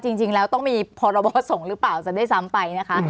จริงแล้วต้องมีพรบส่งหรือเปล่าจะได้ซ้ำไปนะคะ